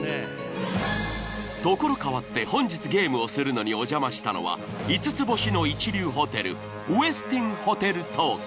ところ変わって本日ゲームをするのにおじゃましたのは５つ星の一流ホテルウェスティンホテル東京。